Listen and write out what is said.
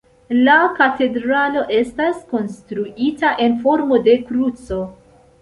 La katedralo estas konstruita en formo de kruco.